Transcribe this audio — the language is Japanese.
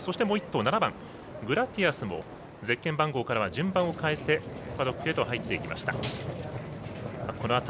７番グラティアスもゼッケン番号からは順番を変えてパドックへと入っていきました。